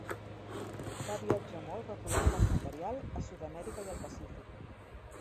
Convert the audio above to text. Va viatjar molt recol·lectant material a Sud-amèrica i el Pacífic.